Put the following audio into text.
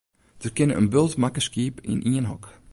Der kinne in bult makke skiep yn ien hok.